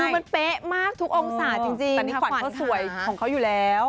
คือมันเป๊ะมากทุกองศาจริงแต่นี่ขวัญเขาสวยของเขาอยู่แล้ว